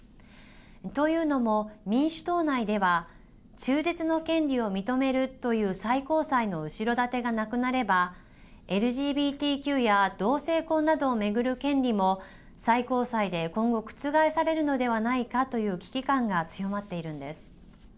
というのも、民主党内では中絶の権利を認めるという最高裁の後ろ盾がなくなればＬＧＢＴＱや同性婚などを巡る権利も最高裁で今後覆されるのではないかという危機感が強まっているんです。